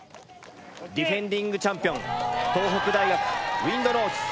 ディフェンディングチャンピオン東北大学Ｗｉｎｄｎａｕｔｓ。